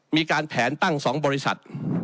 มีการแผนตั้ง๒บริษัท